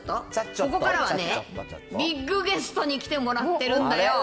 ここからはね、ビッグゲストに来てもらってるんだよ。